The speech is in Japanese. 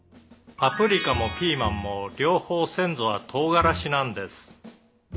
「パプリカもピーマンも両方先祖は唐辛子なんです」